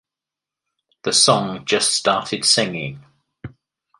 The song just started singing.